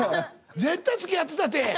絶対つきあってたって。